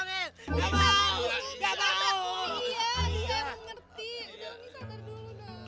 iya dia mengerti udah umi santar dulu dong